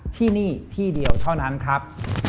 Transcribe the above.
ที่นี่ที่เดียวเท่านั้นครับ